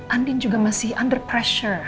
andin juga masih under pressure